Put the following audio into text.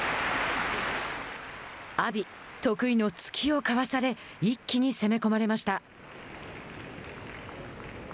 阿炎、得意の突きをかわされ一気に攻め込まれました。